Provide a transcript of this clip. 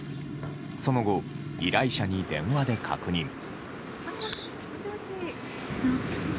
その後、依頼者に電話で確認。